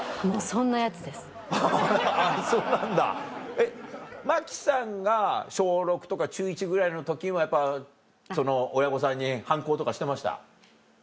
えっ真木さんが小６とか中１ぐらいの時もやっぱ親御さんに反抗とかしてました？